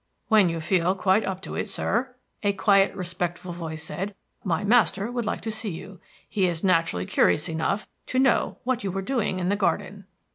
"When you feel quite up to it, sir," a quiet, respectful voice said, "my master would like to see you. He is naturally curious enough to know what you were doing in the garden."